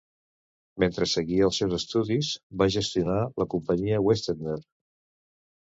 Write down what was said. Mentre seguia els seus estudis, va gestionar la companyia Westetner.